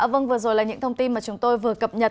vâng vừa rồi là những thông tin mà chúng tôi vừa cập nhật